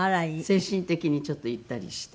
精神的にちょっとゆったりして。